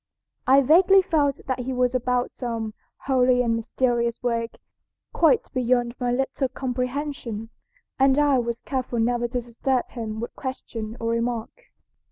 I vaguely felt that he was about some holy and mysterious work quite beyond my little comprehension, and I was careful never to disturb him by question or remark.